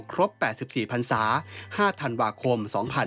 ครบ๘๔พันศา๕ธันวาคม๒๕๕๙